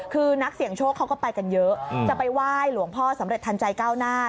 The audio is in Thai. คือนักเสี่ยงโชคเขาก็ไปกันเยอะจะไปไหว้หลวงพ่อสำเร็จทันใจก้าวหน้า